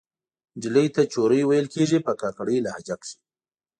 نجلۍ ته چورۍ ویل کیږي په کاکړۍ لهجه کښې